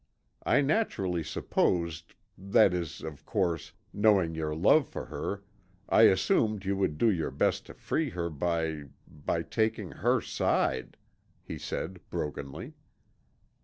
I naturally supposed that is, of course knowing your love for her I assumed you would do your best to free her by by taking her side," he said brokenly.